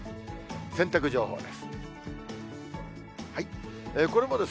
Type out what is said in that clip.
洗濯情報です。